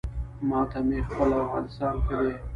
ما ته مې خپل افغانستان ښه دی